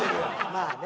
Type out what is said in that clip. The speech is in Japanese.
まあね。